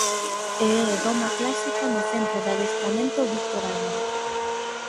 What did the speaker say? E é doma clásica no Centro de Adestramento Víctor Álvarez.